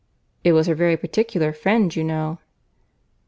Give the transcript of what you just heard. "It was her very particular friend, you know."